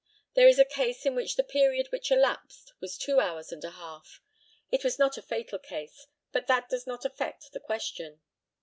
There is a case in which the period which elapsed was two hours and a half. It was not a fatal case, but that does not affect the question.